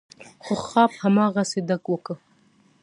خو غاب هماغسې ډک و.